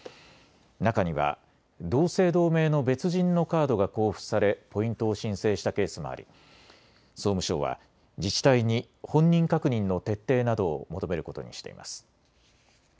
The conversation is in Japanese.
中には同姓同名の別人のカードが交付されポイントを申請したケースもあり総務省は自治体に本人確認の徹底などを求めることにしています。